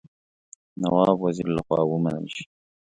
نواب وزیر له خوا ومنل شي.